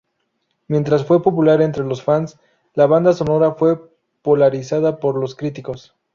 Mientras fue popular entre los fans, la banda sonora fue polarizada por los críticos.